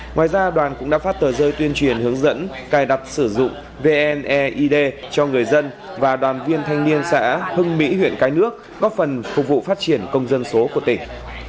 ngoài ra đoàn cũng đã phát tờ rơi tuyên truyền hướng dẫn cài đặt sử dụng vneid cho người dân và đoàn viên thanh niên xã hưng mỹ huyện cái nước góp phần phục vụ phát triển công dân số của tỉnh